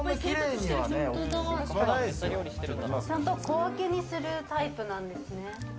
小分けにするタイプなんですね。